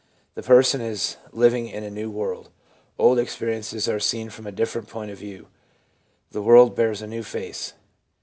The person is living in a new world. Old experiences are seen from a different point of view. The world bears a new face.